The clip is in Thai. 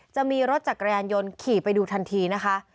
จะมีรถจักรยานยนต์ขี่ไปดูทันทีนะคะ